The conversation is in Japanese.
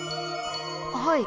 はい。